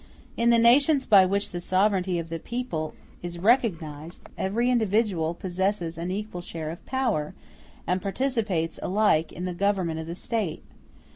In the nations by which the sovereignty of the people is recognized every individual possesses an equal share of power, and participates alike in the government of the State.